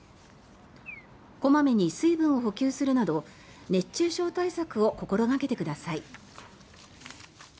小まめに水分を補給するなど熱中症対策を心掛けてください。